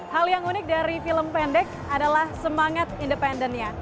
hal yang unik dari film pendek adalah semangat independennya